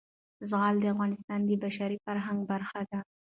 زغال د افغانستان د بشري فرهنګ برخه ده.